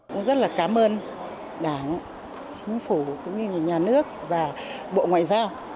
cũng rất là cảm ơn đảng chính phủ cũng như nhà nước và bộ ngoại giao